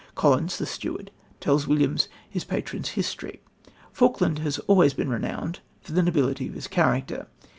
Collins, the steward, tells Williams his patron's history. Falkland has always been renowned for the nobility of his character.